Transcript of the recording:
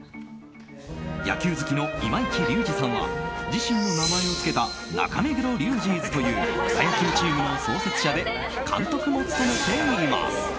野球好きの今市隆二さんは自身の名前を付けた中目黒リュージーズという草野球チームの創設者で監督も務めています。